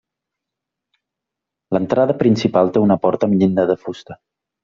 L’entrada principal té una porta amb llinda de fusta.